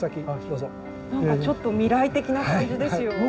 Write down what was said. なんかちょっと未来的な感じですよ。